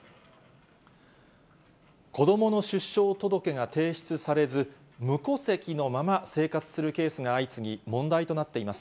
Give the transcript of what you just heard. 子どもの出生届が提出されず、無戸籍のまま生活するケースが相次ぎ、問題となっています。